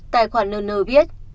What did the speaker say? tài khoản nơ nơ viết